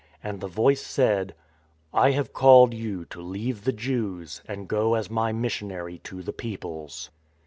And the Voice said: " I have called you to leave the Jews and go as My missionary to the Peoples."